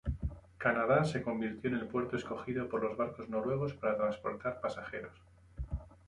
Canadá se convirtió en el puerto escogido por los barcos noruegos para transportar pasajeros.